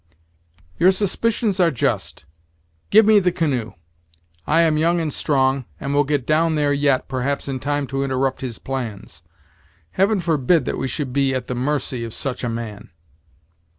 "Your suspicions are just. Give me the canoe; I am young and strong, and will get down there yet, perhaps, in time to interrupt his plans. Heaven forbid that we should be at the mercy of such a man!"